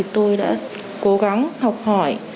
tôi đã cố gắng học hỏi